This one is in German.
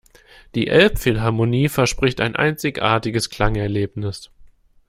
Die Elbphilharmonie verspricht ein einzigartiges Klangerlebnis.